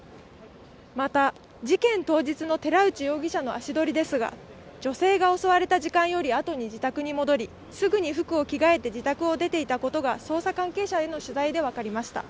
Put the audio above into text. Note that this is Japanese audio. また、事件当日の寺内容疑者の足取りですが女性が襲われた時間よりあとに自宅に戻り、すぐに服を着替えて自宅を出ていたことが捜査関係者への取材で分かりました。